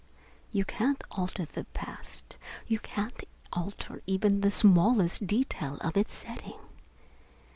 You can't alter the past. You can't alter even the smallest detail of its setting.